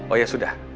oh ya sudah